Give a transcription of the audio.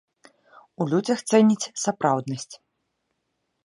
У людзях цэніць сапраўднасць.